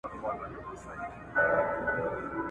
پاچاهان را ته بخښي لوی جاګیرونه `